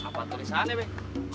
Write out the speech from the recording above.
apa tulisannya bek